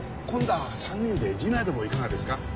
今度は３人でディナーでもいかがですか？